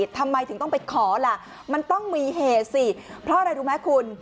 ทำไมถึงต้องไปขอล่ะมันต้องมีเหตุสิเพราะอะไรรู้ไหมคุณ